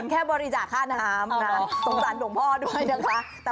แค่บริจาคค่าน้ำนะสงสารหลวงพ่อด้วยนะคะ